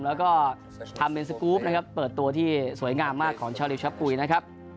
แล้วก็ทำเป็นสกรูปนะครับเปิดตัวที่สวยงามมากของชาวลิวชะปุ๋ยนะครับ